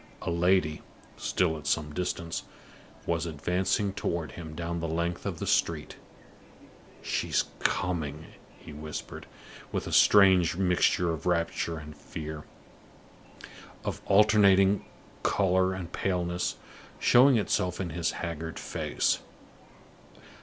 A lady, still at some distance, was advancing toward him down the length of the street. "She's coming!" he whispered, with a strange mixture of rapture and fear, of alternating color and paleness, showing itself in his haggard face.